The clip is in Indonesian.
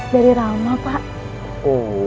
dari rama pak